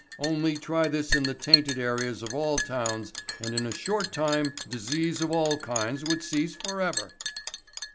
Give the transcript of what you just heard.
Only try this in the tainted areas of all towns and in a short time disease of all kinds would cease for ever."